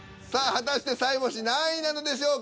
果たしてさいぼし何位なのでしょうか？